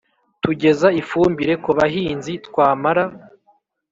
tugeza ifumbire ku bahinzi, twamara